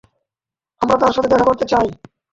আমরা তার সাথে দেখা করতে চাই।